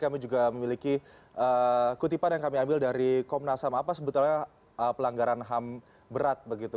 kami juga memiliki kutipan yang kami ambil dari komnas ham apa sebetulnya pelanggaran ham berat begitu